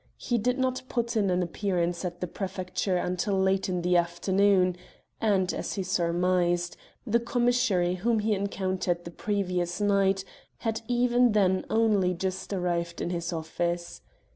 He did not put in an appearance at the Prefecture until late in the afternoon, and, as he surmised, the commissary whom he encountered the previous night had even then only just arrived at his office.